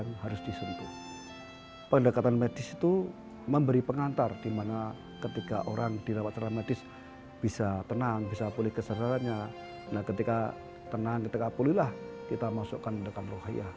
nah ketika tenang ketika pulih lah kita masukkan mendekat rohiyah